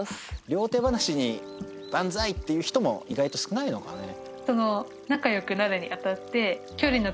両手放しにバンザイっていう人も意外と少ないのかね。